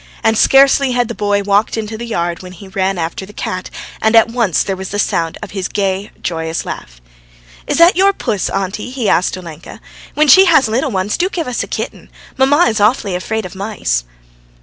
And scarcely had the boy walked into the yard when he ran after the cat, and at once there was the sound of his gay, joyous laugh. "Is that your puss, auntie?" he asked Olenka. "When she has little ones, do give us a kitten. Mamma is awfully afraid of mice."